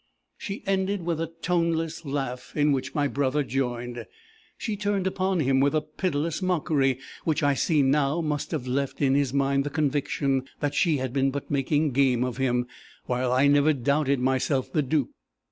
"She ended with a toneless laugh, in which my brother joined. She turned upon him with a pitiless mockery which, I see now, must have left in his mind the conviction that she had been but making game of him; while I never doubted myself the dupe.